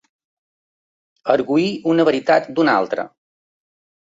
Argüir una veritat d'una altra.